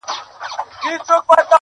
عدالت یې هر سړي ته وو منلی؛